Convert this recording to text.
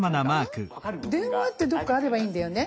「電話」ってどこかあればいいんだよね。